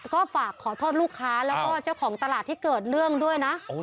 ก็ฝากขอโทษลูกค้าแล้วก็เจ้าของตลาดที่เกิดเรื่องด้วยนะ